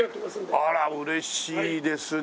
あら嬉しいですね。